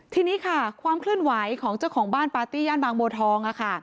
ทีนี้ค่ะความเคลื่อนไหวของเจ้าของบ้านปาร์ตี้ย่านบางบัวทอง